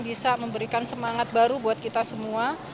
bisa memberikan semangat baru buat kita semua